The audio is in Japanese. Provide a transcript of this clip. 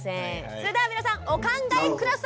それでは皆さんお考え下さい！